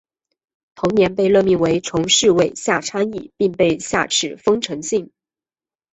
同年被任命为从四位下参议并被下赐丰臣姓。